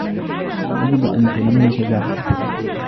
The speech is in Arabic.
يجب أن تُنَمِّيَ شجاعتك.